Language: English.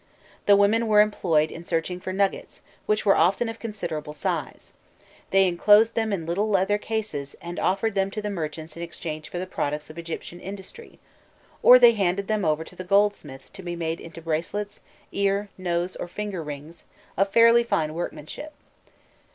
The women were employed in searching for nuggets, which were often of considerable size; they enclosed them in little leather cases, and offered them to the merchants in exchange for products of Egyptian industry, or they handed them over to the goldsmiths to be made into bracelets, ear, nose, or finger rings, of fairly fine workmanship.